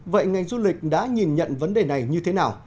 vậy ngành du lịch đã nhìn nhận vấn đề này như thế nào